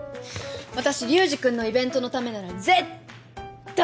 私流司君のイベントのためなら絶対！